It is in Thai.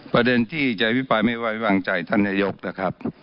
ประเด็นที่จะอภิปรายไม่ไว้วางใจท่านนายกนะครับ